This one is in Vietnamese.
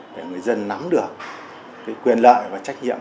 để người dân nắm được quyền lợi và trách nhiệm